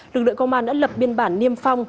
lực lượng công an đã lập biên bản niêm phong